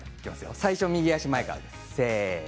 最初は右足前からです。